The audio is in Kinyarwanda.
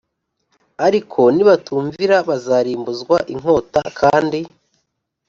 Ariko nibatumvira bazarimbuzwa inkota Kandi